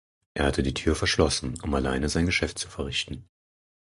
Er hatte die Tür verschlossen, um alleine sein Geschäft zu verrichten.